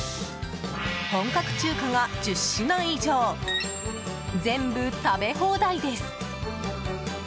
本格中華が１０品以上全部食べ放題です。